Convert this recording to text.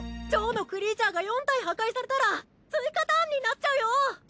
ジョーのクリーチャーが４体破壊されたら追加ターンになっちゃうよ！